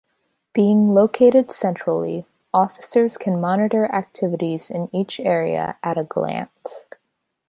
Being located centrally, officers can monitor activities in each area at a glance.